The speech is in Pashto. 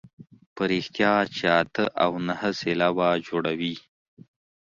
په رښتیا چې اته او نهه سېلابه جوړوي.